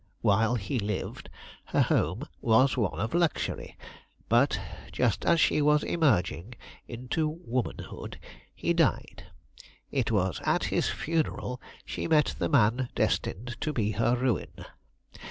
While he lived, her home was one of luxury, but just as she was emerging into womanhood he died. It was at his funeral she met the man destined to be her ruin.